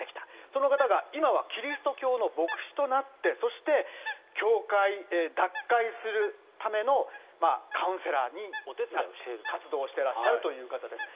その方が今はキリスト教の牧師となって、そして教会脱会するためのカウンセラーに、活動をしてらっしゃるという方です。